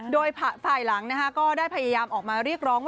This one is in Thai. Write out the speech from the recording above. โดยฝ่ายหลังก็ได้พยายามออกมาเรียกร้องว่า